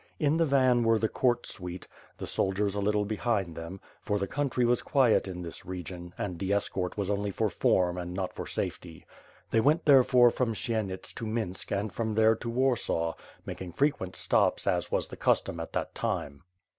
In the van, were the court suite, the soldiers a little behind them; for the country was quiet in this region, and the escort was only for form not for safety. They went therefore from Siennits to Minsk and from there to Warsaw, making frequent stops, as was the custom at that time.